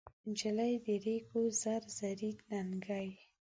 نجلۍ د ریګو زر زري ننکۍ